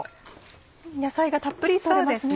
野菜がたっぷり取れますね。